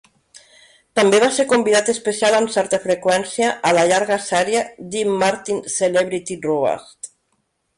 També va ser convidat especial amb certa freqüència a la llarga sèrie 'Dean Martin Celebrity Roast'.